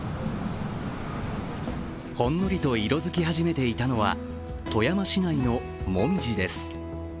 ほんのりと色づき始めていたのは富山市内の紅葉です。